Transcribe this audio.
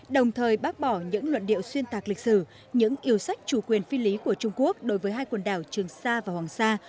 đồng thời bác bỏ những luận điệu xuyên tạc lịch sử những yêu sách chủ quyền phi lý của trung quốc đối với hai quần đảo trường sa và hoàng sa